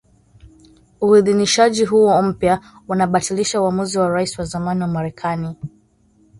Uidhinishaji huo mpya unabatilisha uamuzi wa Rais wa zamani wa Marekani